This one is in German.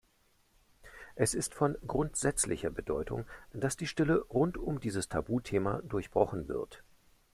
Es ist von grundsätzlicher Bedeutung, dass die Stille rund um dieses Tabuthema durchbrochen wird.